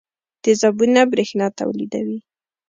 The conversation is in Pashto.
تیزابونه برېښنا تولیدوي.